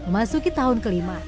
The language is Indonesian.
masuki tahun kelima